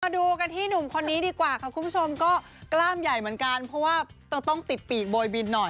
ดูกันที่หนุ่มคนนี้ดีกว่าค่ะคุณผู้ชมก็กล้ามใหญ่เหมือนกันเพราะว่าต้องติดปีกโบยบินหน่อย